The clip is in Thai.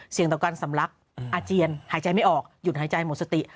ต่อการสำลักอาเจียนหายใจไม่ออกหยุดหายใจหมดสติ